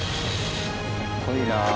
かっこいいなあ。